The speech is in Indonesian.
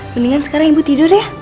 mendingan sekarang ibu tidur ya